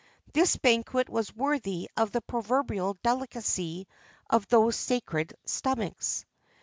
This banquet was worthy of the proverbial delicacy of those sacred stomachs.